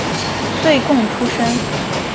岁贡出身。